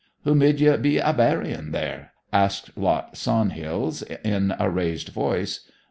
'Who mid ye be a burying there?' asked Lot Swanhills in a raised voice.